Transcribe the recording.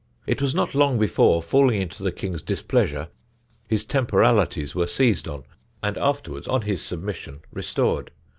It was not long before, falling into the King's displeasure, his Temporalities were seized on, and afterwards on his submission restored.